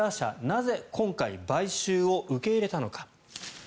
なぜ今回買収を受け入れたのか。